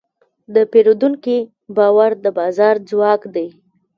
د پیرودونکي باور د بازار ځواک دی.